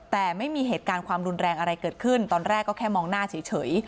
แต่ไม่มีเหตุการณ์ความรุนแรงอะไรเกิดขึ้นตอนแรกก็แค่มองหน้าเฉย